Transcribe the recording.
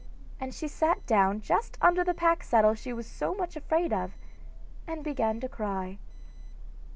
and she sat down just under the pack saddle she was so much afraid of, and began to cry.